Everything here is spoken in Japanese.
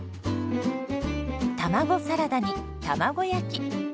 卵サラダに卵焼き。